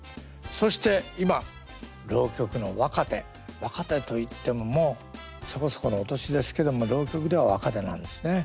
そして今浪曲の若手若手といってももうそこそこのお年ですけども浪曲では若手なんですね。